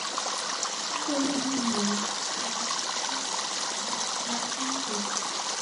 他被任命为特拉斯塔马拉公爵。